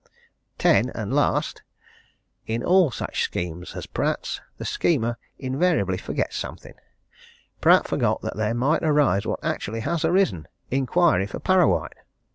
"10. And last in all such schemes as Pratt's, the schemer invariably forgets something. Pratt forgot that there might arise what actually has arisen inquiry for Parrawhite.